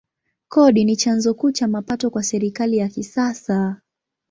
Kodi ni chanzo kuu cha mapato kwa serikali ya kisasa.